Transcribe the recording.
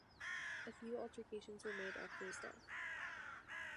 A few alterations were made after his death.